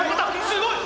すごい！